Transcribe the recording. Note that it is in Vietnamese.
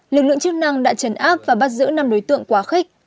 lực lượng chức năng đã trấn áp và bắt giữ năm đối tượng quá khích